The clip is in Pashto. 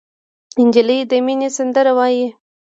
نجلۍ د مینې سندره وایي.